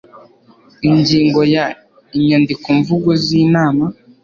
ingingo ya inyandikomvugo z inama